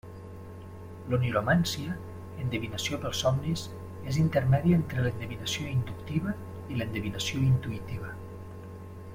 L'oniromància, endevinació pels somnis, és intermèdia entre l'endevinació inductiva i l'endevinació intuïtiva.